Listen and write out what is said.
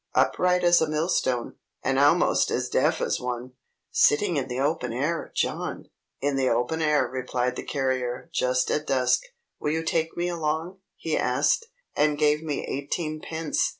Upright as a milestone, and almost as deaf as one!" "Sitting in the open air, John!" "In the open air," replied the carrier, "just at dusk. 'Will you take me along?' he asked, and gave me eighteen pence.